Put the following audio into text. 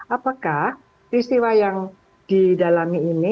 apakah peristiwa yang didalami ini